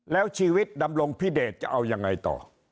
แล้วชีวิตดำรงพิเดชจะเอายังไงต่อ